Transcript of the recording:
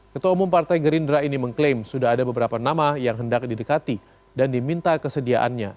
ketua umum partai gerindra ini mengklaim sudah ada beberapa nama yang hendak didekati dan diminta kesediaannya